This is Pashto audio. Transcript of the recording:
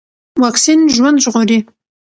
واکسين ژوند ژغوري.